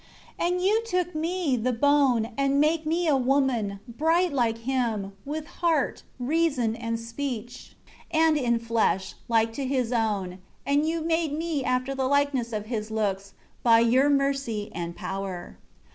10 And You took me, the bone, and make me a woman, bright like him, with heart, reason, and speech; and in flesh, like to his own; and You made me after the likeness of his looks, by Your mercy and power.